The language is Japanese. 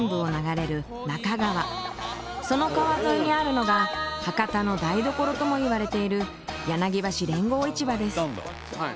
その川沿いにあるのが博多の台所ともいわれている柳橋連合市場です。